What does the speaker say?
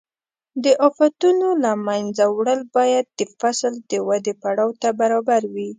د آفتونو له منځه وړل باید د فصل د ودې پړاو ته برابر وي.